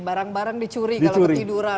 barang barang dicuri kalau ketiduran